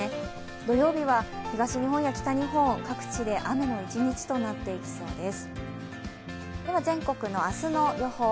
土曜日は、東日本や北日本、各地で雨の一日となっていきそうです。